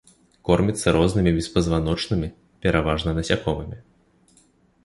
Корміцца рознымі беспазваночнымі, пераважна насякомымі.